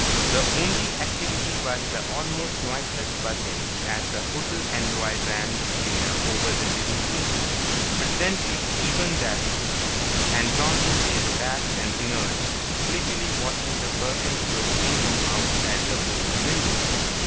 The only activity was the almost noiseless buzzing as the hotel android ran the cleaner over the living room. Presently even that ceased, and Tommy lay relaxed and inert, sleepily watching the curtains blow in and out at the open window.